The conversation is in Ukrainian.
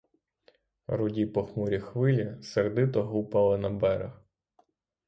Руді похмурі хвилі сердито гупали на берег.